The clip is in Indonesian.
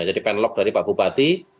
jadi pen lock dari pak bupati